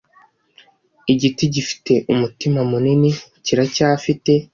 igiti gifite umutima munini kiracyafite